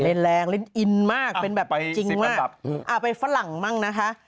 เล่นแรงเล่นอินมากเป็นแบบจริงมากไปฝรั่งบ้างนะคะ